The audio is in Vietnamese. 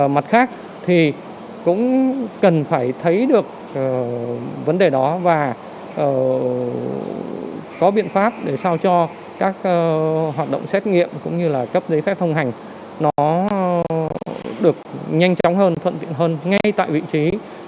mặt khác thì cũng cần phải thấy được vấn đề đó và có biện pháp để sao cho các hoạt động xét nghiệm cũng như là cấp giấy phép thông hành nó được nhanh chóng hơn thuận tiện hơn ngay tại vị trí